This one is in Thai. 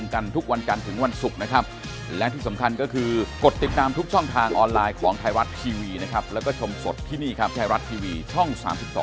ข้างบนกับข้างล่าง